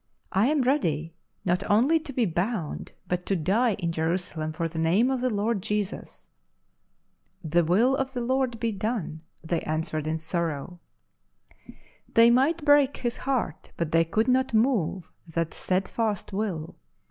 I am ready, not only to be bound, but to die in Jerusalem for the name of the Lord Jesus." " The will of the Lord be done," they an swered in sorrow. They might break his heart, but they could not move that steadfast will.